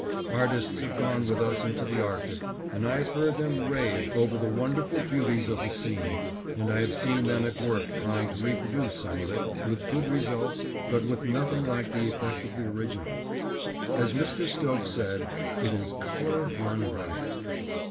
Artists have gone with us into the Arctic and I have heard them rave over the wonderful beauties of the scene, and I have seen them at work trying to reproduce some of it, with good results but with nothing like the effect of the original. As Mr. Stokes said, "it is color run riot."